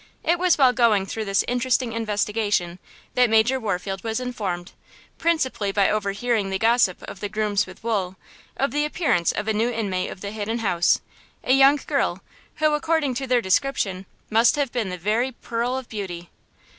It was while going through this interesting investigation that Major Warfield was informed–principally by overhearing the gossip of the grooms with Wool–of the appearance of a new inmate of the Hidden House–a young girl, who, according to their description, must have been the very pearl of beauty.